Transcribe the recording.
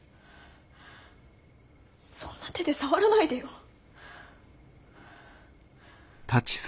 そんな手で触らないでよ。